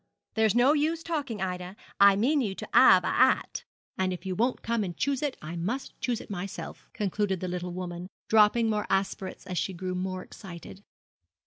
There's no use talking, Ida, I mean you to 'ave a 'at; and if you won't come and choose it I must choose it myself,' concluded the little woman, dropping more aspirates as she grew more excited.